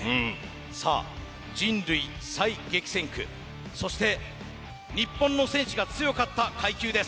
人類最激戦区そして、日本の選手が強かった階級です。